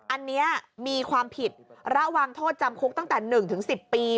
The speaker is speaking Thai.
อันนี้มีความผิดระวังโทษจำคุกตั้งแต่๑๑๐ปี